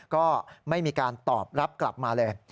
ก็ไม่มีการตอบรับกลับมาเลย